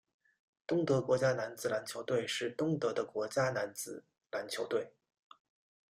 东德国家男子篮球队是东德的国家男子篮球队。